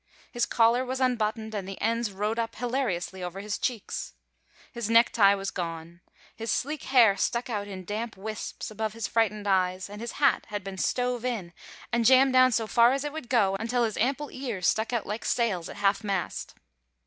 His collar was unbuttoned and the ends rode up hilariously over his cheeks. His necktie was gone. His sleek hair stuck out in damp wisps about his frightened eyes, and his hat had been "stove in" and jammed down as far as it would go until his ample ears stuck out like sails at half mast.